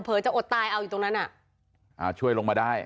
เผลอจะอดตายเอาอยู่ตรงนั้นช่วยลงมาได้